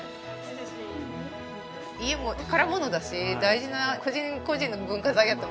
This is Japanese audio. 家も宝物だし大事な個人個人の文化財だと思うから。